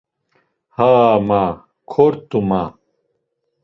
Haaa, ma; kort̆u, ma.